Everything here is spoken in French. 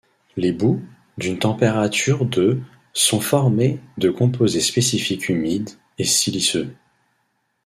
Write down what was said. Les boues, d'une température de sont formées de composés spécifiques humiques et siliceux.